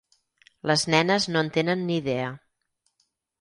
Les nenes no en tenen ni idea.